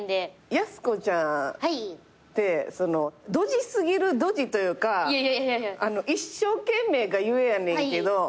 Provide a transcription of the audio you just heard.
やす子ちゃんってドジすぎるドジというか一生懸命が故やねんけど。